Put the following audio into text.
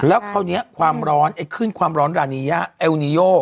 แล้วคราวนี้ความร้อนไอ้ขึ้นความร้อนรานียาเอลนิโย